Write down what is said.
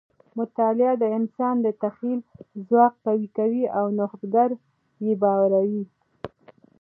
مطالعه د انسان د تخیل ځواک قوي کوي او نوښتګر یې باروي.